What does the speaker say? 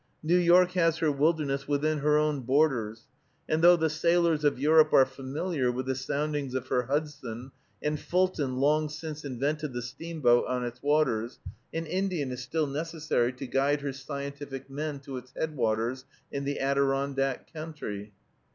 New York has her wilderness within her own borders; and though the sailors of Europe are familiar with the soundings of her Hudson, and Fulton long since invented the steamboat on its waters, an Indian is still necessary to guide her scientific men to its headwaters in the Adirondack country.